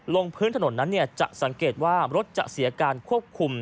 ลงพื้นถนนนั้นจะสังเกตว่ารถจะเสียการควบคุม